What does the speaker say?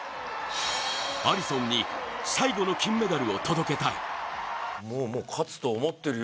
アリソンに、最後の金メダルを届けたい。